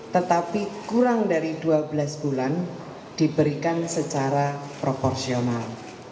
tetapi kurang dari dua belas bulan diberikan secara proporsional